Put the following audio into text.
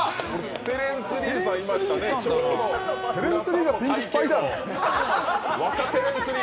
テレンス・リーが「ピンクスパイダー」。